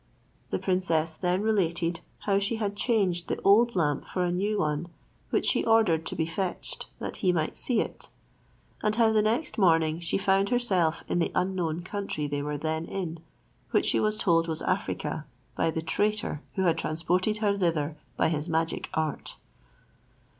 The princess then related how she had changed the old lamp for a new one, which she ordered to be fetched, that he might see it, and how the next morning she found herself in the unknown country they were then in, which she was told was Africa, by the traitor, who had transported her thither by his magic art.